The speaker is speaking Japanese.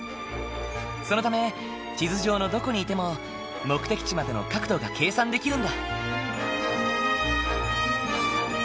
そのため地図上のどこにいても目的地までの角度が計算できるんだ。